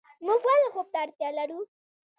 موږ ولې خوب ته اړتیا لرو